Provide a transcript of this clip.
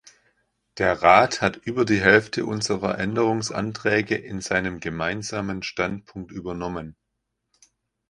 Der Rat hat über die Hälfte unserer Änderungsanträge in seinem Gemeinsamen Standpunkt übernommen.